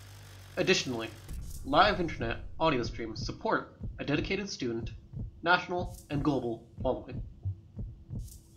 Additionally, live Internet audio streaming supports a dedicated student, national, and global following.